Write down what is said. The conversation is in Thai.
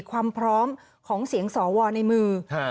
ความพร้อมของเสียงสวในมือ